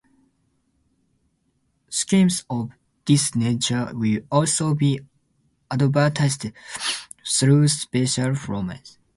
Schemes of this nature will also be advertised through serial promoters.